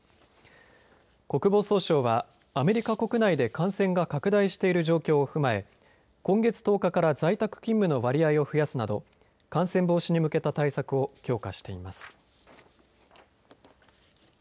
国防総省はアメリカ国内で感染が拡大している状況を踏まえ今月１０日から在宅勤務の割合を増やすなど感染防止に向けた対策を強化しています。